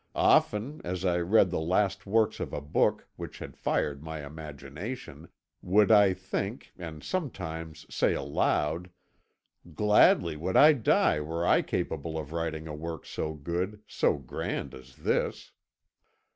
Often, as I read the last words of a book which had fired my imagination, would I think, and sometimes say aloud, 'Gladly would I die were I capable of writing a work so good, so grand as this.'